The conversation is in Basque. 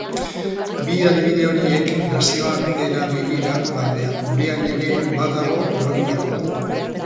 Bi adibide horiek nazioartera begira baina gurean ere badago nori lagundu.